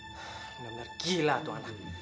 benar benar gila tuh anak